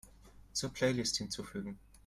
Zur Playlist hinzufügen.